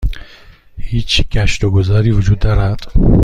هیچ گشت و گذاری وجود دارد؟